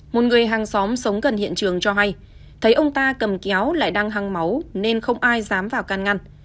một người hàng xóm sống gần hiện trường cho hay thấy ông ta cầm kéo lại đang hăng máu nên không ai dám vào can ngăn